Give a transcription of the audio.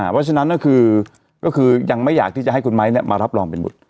เพราะฉะนั้นก็คือยังไม่อยากที่จะให้คุณไม้มารับรองเป็นบุตร